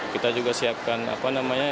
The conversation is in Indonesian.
kita juga siapkan apa namanya